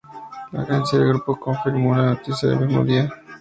La agencia del grupo confirmó la noticia el mismo día.